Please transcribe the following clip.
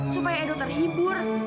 supaya edo terhibur